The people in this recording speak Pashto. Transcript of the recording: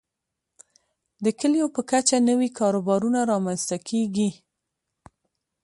د کليو په کچه نوي کاروبارونه رامنځته کیږي.